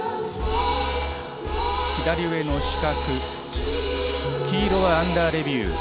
左上の四角、黄色はアンダーレビュー。